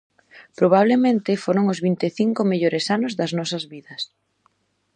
Probablemente foron os vinte e cinco mellores anos das nosas vidas.